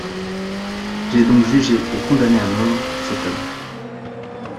J'ai donc jugé et condamné à mort cet homme.